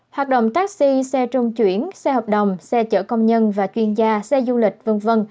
hoạt động taxi xe trung chuyển xe hợp đồng xe chở công nhân và chuyên gia xe du lịch v v